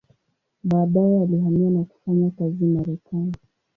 Baadaye alihamia na kufanya kazi Marekani.